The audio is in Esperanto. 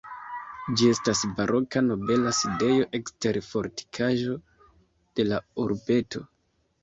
Ĝi estas baroka nobela sidejo ekster la fortikaĵo de la urbeto.